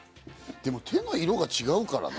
でも手の色が違うからね。